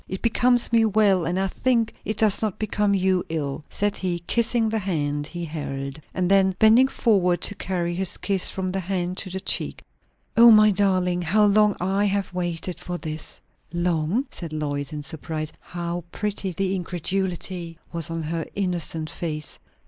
It becomes me well, and I think it does not become you ill," said he, kissing the hand he held. And then, bending forward to carry his kiss from the hand to the cheek, "O my darling, how long I have waited for this!" "Long?" said Lois, in surprise. How pretty the incredulity was on her innocent face.